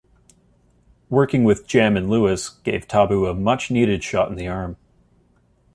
Working with Jam and Lewis gave Tabu a much-needed shot in the arm.